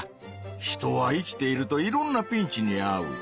人は生きているといろんな「ピンチ」にあう。